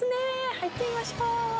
入ってみましょう。